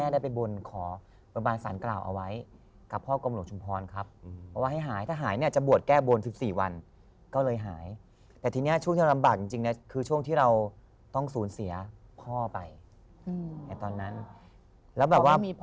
อืมอืมอืมอืมอืม